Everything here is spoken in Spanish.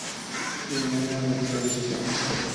Denominada "Tercera División"